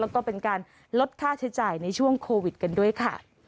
แล้วก็เป็นการลดค่าใช้จ่ายในช่วงโควิดกันด้วยค่ะ